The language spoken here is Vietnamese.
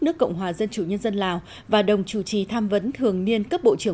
nước cộng hòa dân chủ nhân dân lào và đồng chủ trì tham vấn thường niên cấp bộ trưởng